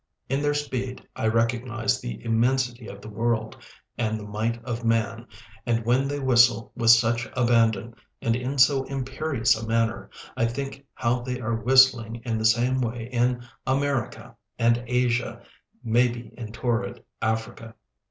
In their speed I recognize the immensity of the world and the might of man, and when they whistle with such abandon and in so imperious a manner, I think how they are whistling in the same way in America, and Asia, maybe in torrid Africa.